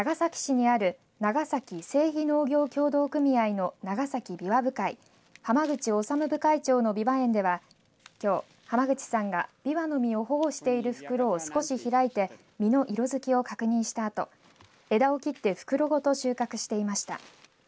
このうち長崎市にある長崎西彼農業協同組合の長崎びわ部会濱口理部会長のびわ園ではきょう濱口さんがびわのみを保護している袋を少し開いて実の色づきを確認したあと枝を切って袋ごと収穫していました。